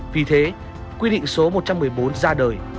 vì thế quy định số một trăm một mươi bốn ra đời